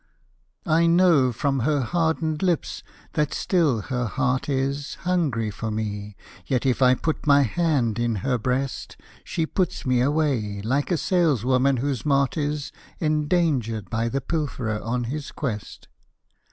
I know from her hardened lips that still her heart is Hungry for me, yet if I put my hand in her breast She puts me away, like a saleswoman whose mart is Endangered by the pilferer on his quest.